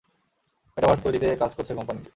Metaverse তৈরিতে কাজ করছে কোম্পানিটি।